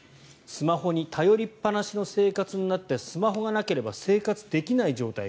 スマホに頼りっぱなしの生活になってスマホがなければ生活できない状態。